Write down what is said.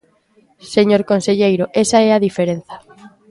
Señor conselleiro, esa é a diferenza.